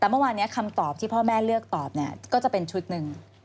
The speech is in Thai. แต่เมื่อวานนี้คำตอบที่พ่อแม่เลือกตอบเนี่ยก็จะเป็นชุดหนึ่ง